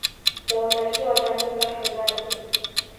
— Domla, shu odamning bahridan o‘ting.